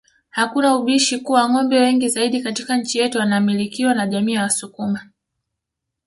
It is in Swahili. Hakuna ubishi kuwa ngombe wengi zaidi katika nchi yetu wanamilikiwa na jamii ya wasukuma